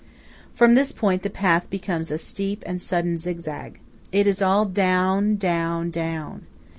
From this point the path becomes a steep and sudden zigzag. It is all down–down–down.